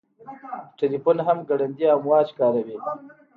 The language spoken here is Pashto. تلیفون هم ګړندي امواج کاروي.